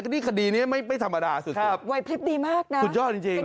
นี่คดีนี้ไม่ธรรมดาสุดวัยพลิบดีมากนะสุดยอดจริงจริง